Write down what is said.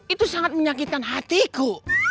itu sangat menyakitan hatiku